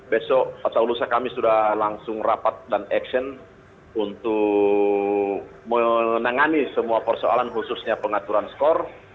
besok atau lusa kami sudah langsung rapat dan action untuk menangani semua persoalan khususnya pengaturan skor